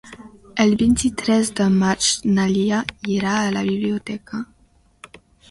El vint-i-tres de maig na Lia irà a la biblioteca.